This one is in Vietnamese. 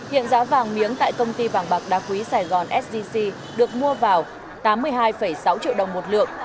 hiện giá vàng miếng tại công ty vàng bạc đa quý sài gòn sgc được mua vào tám mươi hai sáu triệu đồng một lượng